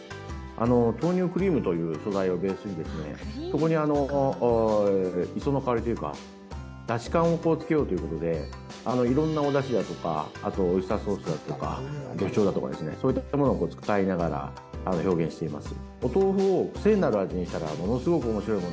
豆乳クリームという素材をベースにそこに磯の香りというかだし感をつけようということで色んな、おだしだとかあとはオイスターソースだとか魚醤だとかそういったものを使いながら表現しています。